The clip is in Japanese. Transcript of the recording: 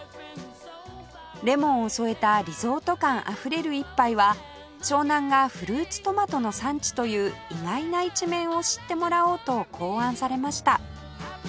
レモンを添えたリゾート感あふれる一杯は湘南がフルーツトマトの産地という意外な一面を知ってもらおうと考案されました